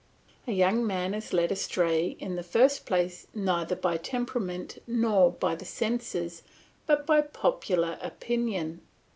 A young man is led astray in the first place neither by temperament nor by the senses, but by popular opinion.